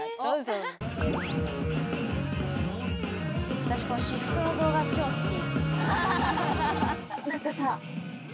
あたしこの私服の動画超好き。